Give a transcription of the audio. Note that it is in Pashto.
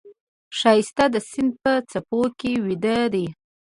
ښایست د سیند په څپو کې ویده دی